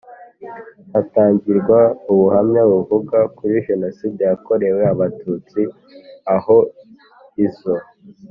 hatangirwa ubuhamya buvuga kuri Jenoside yakorewe Abatutsi aho izo